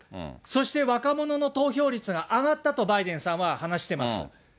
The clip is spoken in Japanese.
そして、若者の投票率が上がったとバイデンさんは話してます。